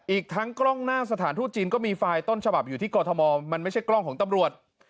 อีกทั้งกล้องหน้าสถานทูตจีนก็มีไฟล์ต้นฉบับอยู่ที่กรทมมันไม่ใช่กล้องของตำรวจ